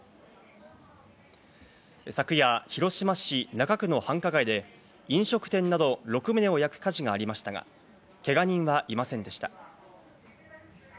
昨夜、広島市中区の繁華街で、飲食店など６棟を焼く火事がありましたが、けが人はいませんでした。